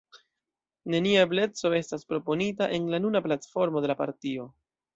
Nenia ebleco estas proponita en la nuna platformo de la partio.